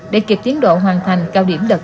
để kịp tiến độ hoàn thành cao điểm đợt hai